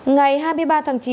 ngày hai mươi ba tháng chín